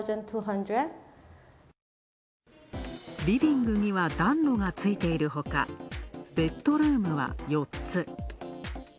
リビングには、暖炉がついているほか、ベッドルームは４つ。